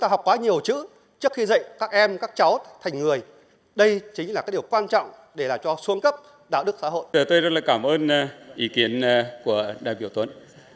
tôi rất là cảm ơn ý kiến của đại biểu tuấn